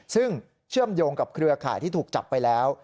ซึ่งเชื่อมโยงกับเครือข่ายที่ถูกจับไปแล้ว